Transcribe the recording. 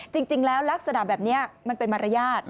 จริงแล้วลักษณะแบบนี้มันเป็นมารยาท